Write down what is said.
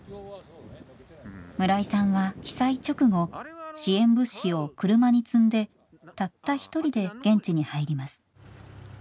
村井さんは被災直後支援物資を車に積んでたった一人で現地に入ります。